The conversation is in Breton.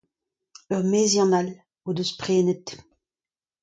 Ur meziant all o deus prenet.